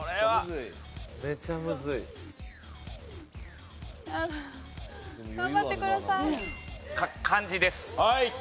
はい。